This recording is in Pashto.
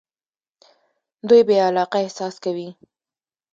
دوی بې علاقه احساس کوي.